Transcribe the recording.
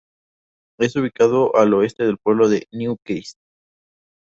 Es ubicado al oeste del pueblo de Newcastle.